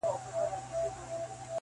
• خمیر دي جوړ دی له شواخونه -